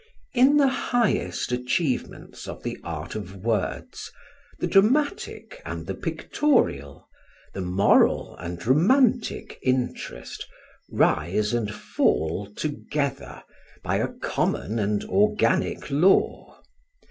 In the highest achievements of the art of words, the dramatic and the pictorial, the moral and romantic interest, rise and fall together by a common and organic law.